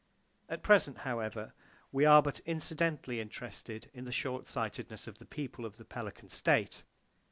At present, however, we are but incidentally interested in the short sightedness of the people of the Pelican State.